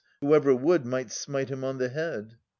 Whoever would might smite him on the head.